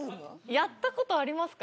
やったことありますか？